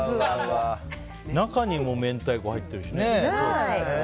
中にも明太子入ってるしね。